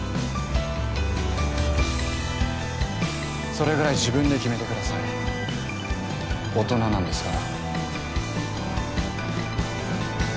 それぐらい自分で決めてください大人なんですから。